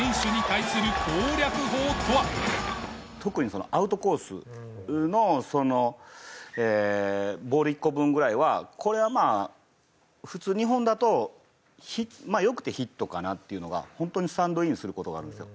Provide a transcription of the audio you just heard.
特にアウトコースのそのボール１個分ぐらいはこれはまあ普通日本だと良くてヒットかなっていうのが本当にスタンドインする事があるんですよ。